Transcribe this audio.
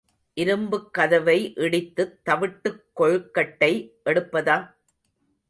இரும்புக் கதவை இடித்துத் தவிட்டுக் கொழுக்கட்டை எடுப்பதா?